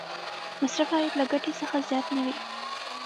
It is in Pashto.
مصرف باید له ګټې څخه زیات نه وي.